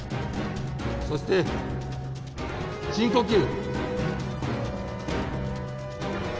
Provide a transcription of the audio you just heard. そして深呼吸。